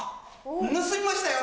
盗みましたよ！